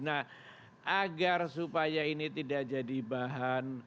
nah agar supaya ini tidak jadi bahan